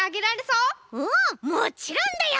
うんもちろんだよ！